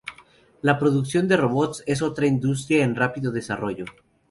La producción de robots es otra industria en rápido desarrollo.